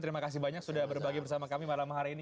terima kasih banyak sudah berbagi bersama kami malam hari ini